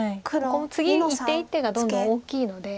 ここも次一手一手がどんどん大きいので。